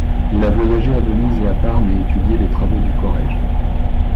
Il a voyagé à Venise et à Parme et étudié les travaux du Corrège.